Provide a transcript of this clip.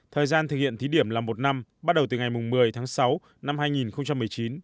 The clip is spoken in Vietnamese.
thời gian thực hiện thí điểm là một năm bắt đầu từ ngày một mươi tháng sáu năm hai nghìn một mươi chín